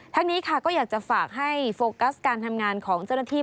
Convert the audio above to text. นี้ค่ะก็อยากจะฝากให้โฟกัสการทำงานของเจ้าหน้าที่